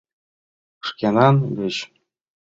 Шкенан гыч!